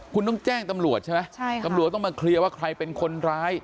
คุณต้องแจ้งตำรวจใช่ไหมใช่ค่ะตำรวจต้องมาเคลียร์ว่าใครเป็นคนร้าย